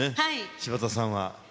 柴田さんは。